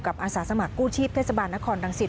อาสาสมัครกู้ชีพเทศบาลนครรังสิต